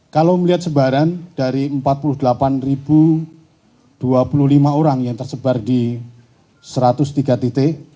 kalau melihat sebaran dari empat puluh delapan dua puluh lima orang yang tersebar di satu ratus tiga titik